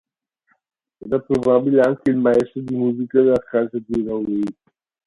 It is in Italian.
Era probabilmente anche il maestro di musica della casa di Rouen.